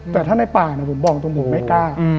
แต่ถ้าในป่าผมบอกตรงผมไม่กล้า